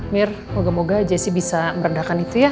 mir moga moga jessy bisa merendahkan itu ya